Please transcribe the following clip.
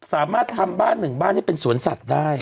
สามารถทำบ้านหนึ่งบ้านให้เป็นสวนสัตว์ได้